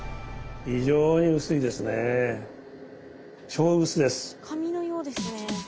そして紙のようですね。